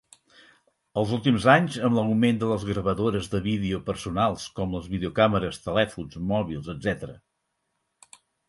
Als últims anys, amb l'augment de les gravadores de vídeo personals com les videocàmeres, telèfons mòbils, etc.